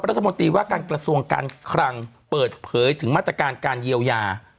รัฐมนตรีว่าการกระทรวงการคลังเปิดเผยถึงมาตรการการเยียวยา